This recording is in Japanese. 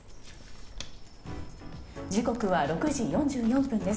時刻は６時４４分です。